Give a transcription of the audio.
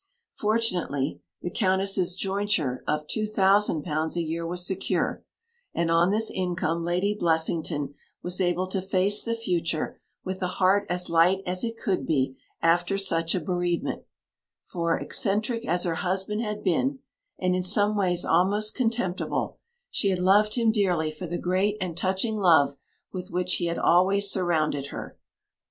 Fortunately the Countess's jointure of £2,000 a year was secure; and on this income Lady Blessington was able to face the future with a heart as light as it could be after such a bereavement; for, eccentric as her husband had been, and in some ways almost contemptible, she had loved him dearly for the great and touching love with which he had always surrounded her.